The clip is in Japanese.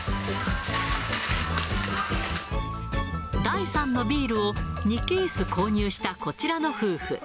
第３のビールを２ケース購入したこちらの夫婦。